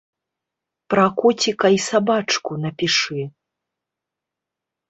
Пра коціка і сабачку напішы.